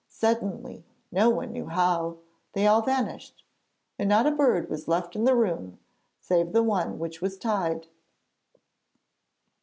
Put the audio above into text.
Suddenly no one knew how they all vanished, and not a bird was left in the room save the one which was tied.